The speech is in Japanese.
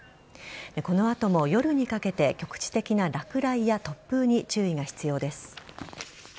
この後も、夜にかけて局地的な落雷や突風に注意が必要です。